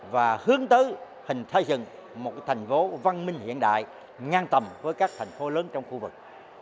và hướng tới dựng một thành phố văn minh hiện đại ngang tầm với các thành phố lớn trong khu vực